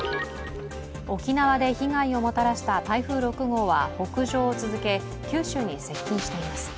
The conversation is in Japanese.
沖縄で被害をもたらした台風６号は北上を続け、九州に接近しています